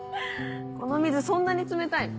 この水そんなに冷たいの？